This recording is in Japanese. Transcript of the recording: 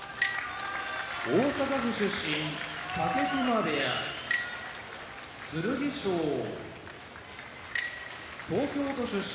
大阪府出身武隈部屋剣翔東京都出身